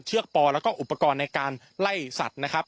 เชือกป่อและอุปกรณ์ในการไล่สัตว์นะครับ